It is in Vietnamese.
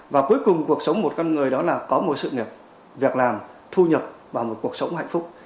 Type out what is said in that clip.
và cuối cùng cuộc sống một con người đó là có một sự nghiệp việc làm thu nhập và một cuộc sống hạnh phúc